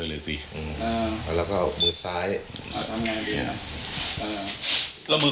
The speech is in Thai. กลับมาก็ไม่ได้